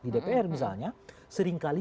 di dpr misalnya seringkali